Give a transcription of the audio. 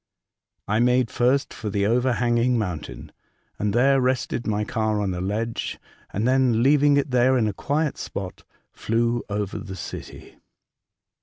I made first for the overhanging moun tain, and there rested my car on a ledge, and 76 A Voyage to Other Worlds, then, leaving it there in a quiet spot, flew over the city.